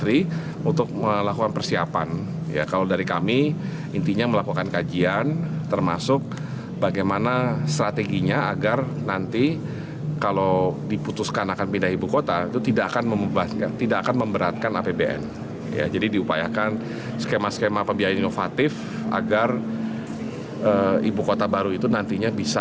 itu nantinya bisa mandiri